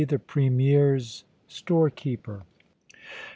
THE premier's STOREKEEPER.